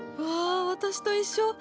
わ私と一緒！